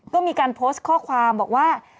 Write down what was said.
ก็มีการโพสต์ข้อความบอกว่า